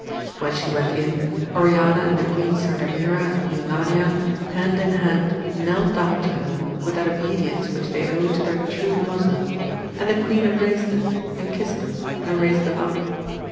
When she went in, Oriana and the Queens Sardamira and Briolania hand in hand knelt down to her with that obedience which they owed to their true mother; and the queen embraced them, and kissed them, and raised them up.